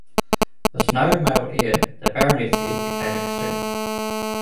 With no male heir the baronetcy became extinct.